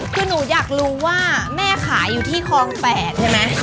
คือหนูอยากรู้ว่าแม่ขายอยู่ที่คลอง๘ใช่ไหม